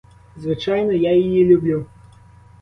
Звичайно, я її люблю.